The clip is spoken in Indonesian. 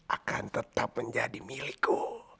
akan tetap menjadi milikku